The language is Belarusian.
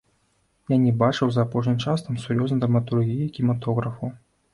Я не бачыў за апошні час там сур'ёзнай драматургіі, кінематографу.